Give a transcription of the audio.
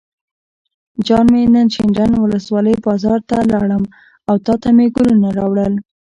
جان مې نن شینډنډ ولسوالۍ بازار ته لاړم او تاته مې ګلونه راوړل.